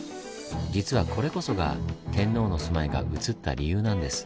実はこれこそが天皇の住まいが移った理由なんです。